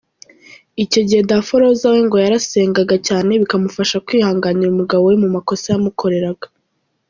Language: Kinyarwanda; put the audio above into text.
Icyo gihe Daforoza we ngo yarasengaga cyane bikamufasha kwihanganira umugabo we mu makosa yamukoreraga.